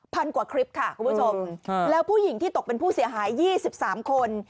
กว่าคลิปค่ะคุณผู้ชมแล้วผู้หญิงที่ตกเป็นผู้เสียหาย๒๓คน